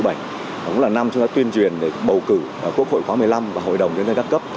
đó cũng là năm chúng ta tuyên truyền bầu cử quốc hội khoá một mươi năm và hội đồng nhân dân các cấp